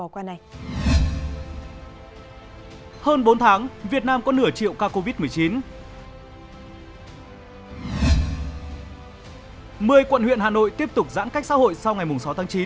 một mươi quận huyện hà nội tiếp tục giãn cách xã hội sau ngày sáu tháng chín